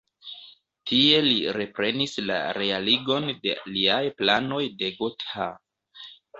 Tie li reprenis la realigon de liaj planoj de Gotha.